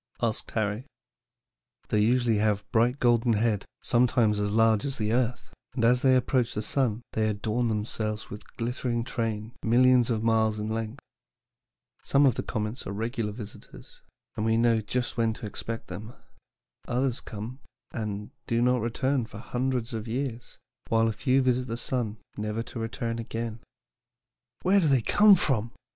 asked Harry. STORY OF COMETS. "They usually have a bright golden head, sometimes as large as the earth, and as they approach the sun they adorn themselves with a glittering train millions of miles in length. Some of the comets are regular visitors, and we know just when to expect them; others come, and do not return for hundreds of years, while a few visit the sun never to return again." "Where do they come from?"